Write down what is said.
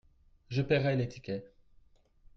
Je paierai les tickets.